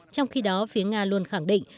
trong khi đó phía nga luôn khẳng định